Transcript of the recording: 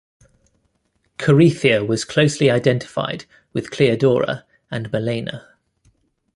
Corycia was closely identified with Kleodora and Melaina.